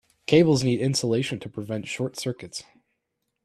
Cables need insulation to prevent short circuits.